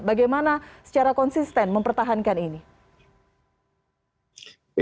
bagaimana secara konsisten mempertahankan ini